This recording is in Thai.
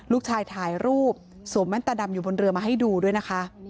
ลูกชายถ่ายรูปสวมแว่นตาดำอยู่บนเรือมาให้ดูด้วยนะคะ